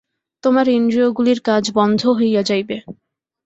তোমার ইন্দ্রিয়গুলির কাজ বন্ধ হইয়া যাইবে।